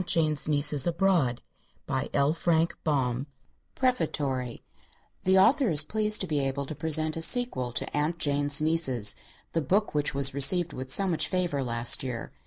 SAFE HOME 345 PREFATORY: The author is pleased to be able to present a sequel to "Aunt Jane's Nieces," the book which was received with so much favor last year.